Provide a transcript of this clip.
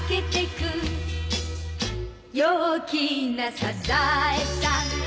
「陽気なサザエさん」